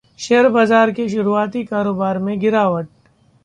share बाजार के शुरआती कारोबार में गिरावट